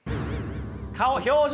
顔表情